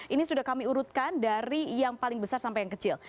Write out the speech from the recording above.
ini sudah kami urutkan dari yang paling besar sampai yang kecil